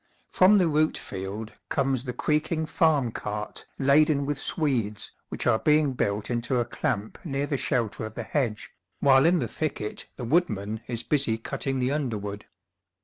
From the root field comes the creaking farm cart laden with swedes which are being built into a clamp near the shelter of the hedge, while in the thicket the woodman is busy cutting the underwood.